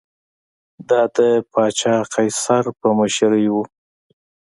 دا د پاچا قیصر په مشرۍ و